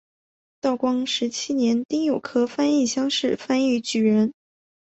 道光十七年丁酉科翻译乡试翻译举人。